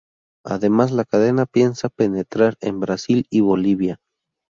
Además la cadena piensa penetrar en Brasil y Bolivia.